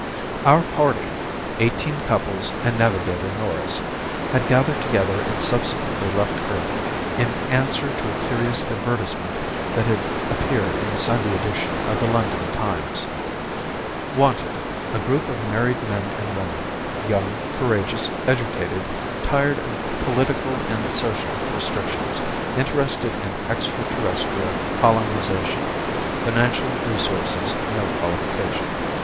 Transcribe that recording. Our party eighteen couples and Navigator Norris had gathered together and subsequently left Earth in answer to a curious advertisement that had appeared in the Sunday edition of the London Times. WANTED: _A group of married men and women, young, courageous, educated, tired of political and social restrictions, interested in extra terrestrial colonization. Financial resources no qualification.